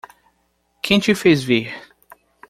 Quem te fez vir?